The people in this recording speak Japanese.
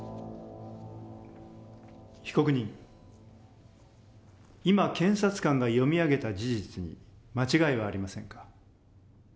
被告人今検察官が読み上げた事実に間違いはありませんか？